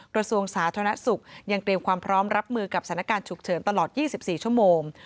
กระทรวงสาธารณสุขยังเตรียมความพร้อมรับมือกับสถานการณ์ฉุกเฉินตลอด๒๔ชั่วโมง